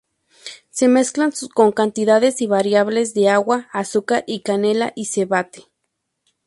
Se mezclan con cantidades variables de agua, azúcar y canela y se bate.